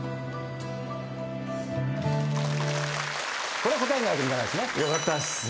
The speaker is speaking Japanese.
これ答えないわけにいかないですね。